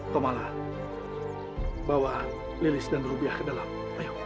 komalah bawa lilis dan rupiah ke dalam ayo